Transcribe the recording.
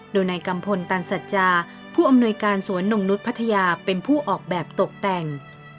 โดยในกรรมภลฐานซัจจ๊าผู้อำนวยกาลศวรรษ์โน่งนุษย์พัทยาเป็นผู้ออกแบบตกแต่ง